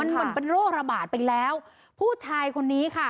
มันมันเป็นโรคระบาดไปแล้วผู้ชายคนนี้ค่ะ